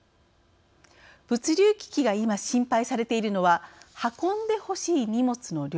物流危機が今心配されているのは運んでほしい荷物の量。